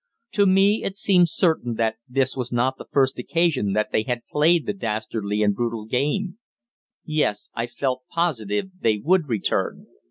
To me it seemed certain that this was not the first occasion that they had played the dastardly and brutal game. Yes, I felt positive they would return.